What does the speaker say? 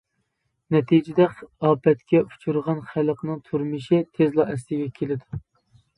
نەتىجىدە ئاپەتكە ئۇچرىغان خەلقنىڭ تۇرمۇشى تېزلا ئەسلىگە كېلىدۇ.